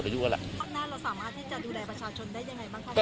ข้างหน้าเราสามารถที่จะดูแลประชาชนได้ยังไงบ้างคะ